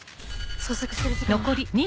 捜索してる時間は。